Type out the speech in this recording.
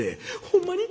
ほんまに？